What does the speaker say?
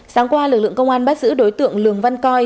sáng qua lực lượng công an bắt giữ đối tượng lường văn coi